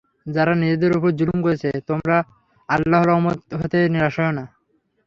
যারা নিজেদের উপর যুলুম করেছে, তোমরা আল্লাহর রহমত হতে নিরাশ হয়ো না।